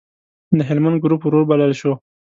د هلمند ګروپ وروبلل شو.